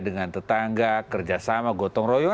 dengan tetangga kerjasama gotong royong